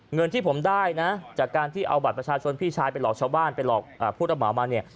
เงินที่ผมได้นะจากการที่เอาบัตรประชาชนพี่ชายไปหลอกชาวบ้านไปหลอกผู้รับเหมามาเนี่ย